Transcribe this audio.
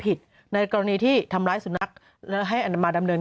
ในกรณีที่ทำร้ายสุนัขและให้อันมาดำเนิน